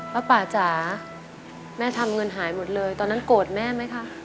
ป้าป่าจ๋าแม่ทำเงินหายหมดเลยตอนนั้นโกรธแม่ไหมคะ